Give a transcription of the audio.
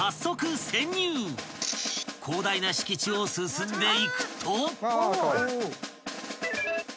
［広大な敷地を進んでいくと］